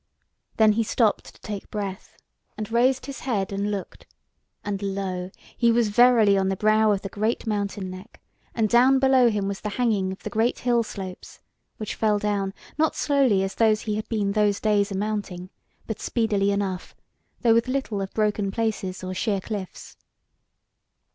Then he stopped to take breath, and raised his head and looked, and lo! he was verily on the brow of the great mountain neck, and down below him was the hanging of the great hill slopes, which fell down, not slowly, as those he had been those days a mounting, but speedily enough, though with little of broken places or sheer cliffs.